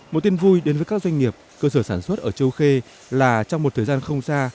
một tin vui đến với các doanh nghiệp cơ sở sản xuất ở châu khê là trong một thời gian không xa